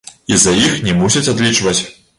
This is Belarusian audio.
І за іх не мусяць адлічваць.